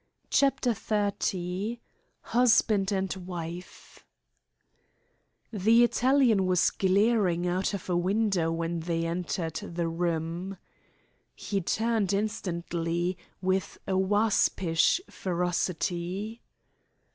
CHAPTER XXX HUSBAND AND WIFE The Italian was glaring out of a window when they entered the room. He turned instantly, with a waspish ferocity.